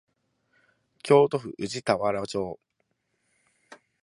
京都府宇治田原町